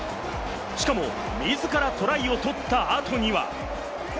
しかも、自らトライを取った後には。